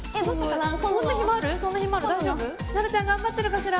なるちゃん頑張ってるかしら？